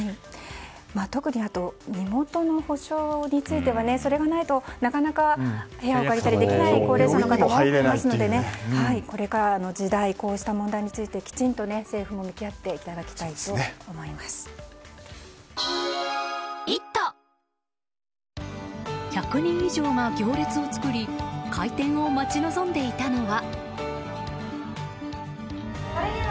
特に、身元の保証についてはそれがないとなかなか部屋を借りたりできないということで高齢者も増えてくるということでこれからの時代こうした問題についてきちんと政府も向き合っていただきたいと１００人以上が行列を作り開店を待ち望んでいたのは。